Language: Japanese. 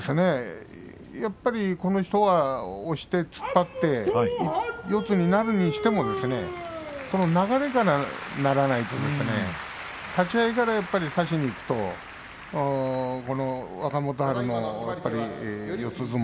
やっぱりこの人を押して突っ張って四つになるにしてもその流れからならないと立ち合いからやっぱり差しにいくと若元春の四つ